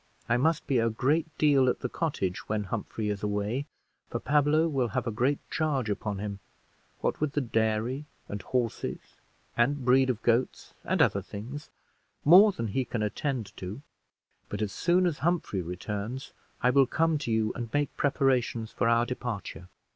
I must be a great deal at the cottage when Humphrey is away, for Pablo will have a great charge upon him what with the dairy, and horses, and breed of goats, and other things more than he can attend to; but as soon as Humphrey returns, I will come to you and make preparations for our departure.